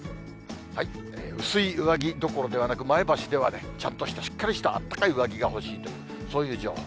薄い上着どころではなく、前橋ではちゃんとした、しっかりしたあったかい上着が欲しいという、そういう情報。